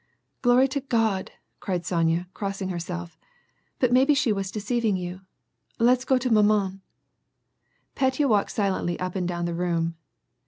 "Glory to God!" cried Sonya, crossing herself. "But maybe she was deceiving you. Let us go to maman /" Petya walked silently up and down the room.